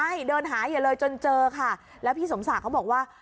ใช่เดินหาอย่าเลยจนเจอค่ะแล้วพี่สมศักดิ์เขาบอกว่า